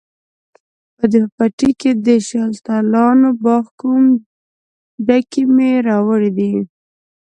په پټي کښې د شلتالانو باغ کوم، ډکي مې راوړي دي